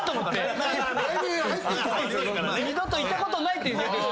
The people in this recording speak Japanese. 二度と行ったことないって。